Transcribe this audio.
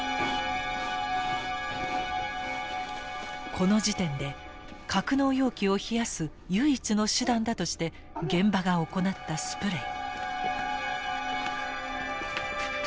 この時点で格納容器を冷やす唯一の手段だとして現場が行ったスプレイ。